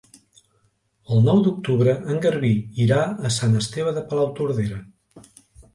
El nou d'octubre en Garbí irà a Sant Esteve de Palautordera.